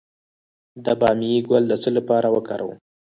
د بامیې ګل د څه لپاره وکاروم؟